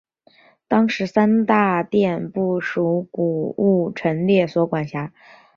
当时三大殿不属古物陈列所管辖。